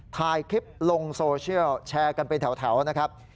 ถ่ายคลิปลงโซเชียลแชร์กันเป็นแถวนะครับ